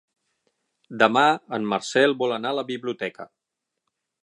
Demà en Marcel vol anar a la biblioteca.